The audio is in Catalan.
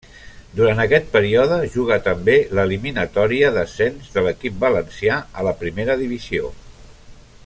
Durant aquest període juga també l'eliminatòria d'ascens de l'equip valencià a la Primera Divisió.